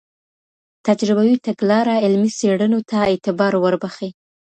تجربوي تګلاره علمي څېړنو ته اعتبار وربخښي.